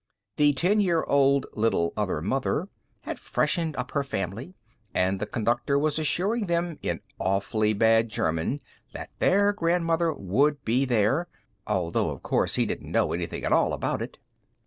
The ten year old "little other mother" had freshened up her family, and the Conductor was assuring them, in awfully bad German, that their Grandmother would be there—although, of course, he didn't know anything at all about it.